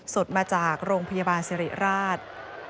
สดมาจากโรงพยาบาลสิริราช